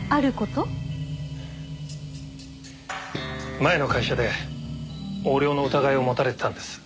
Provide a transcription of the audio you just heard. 前の会社で横領の疑いを持たれてたんです。